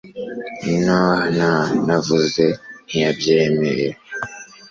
nuh-uh! navuze; ntiyabyemeye